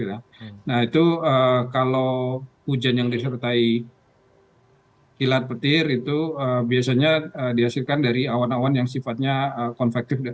nah itu kalau hujan yang disertai kilat petir itu biasanya dihasilkan dari awan awan yang sifatnya konvektif